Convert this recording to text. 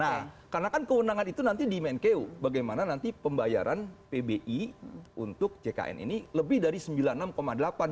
nah karena kan kewenangan itu nanti di menkeu bagaimana nanti pembayaran pbi untuk jkn ini lebih dari rp sembilan puluh enam delapan triliun